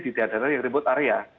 di tiada ribut area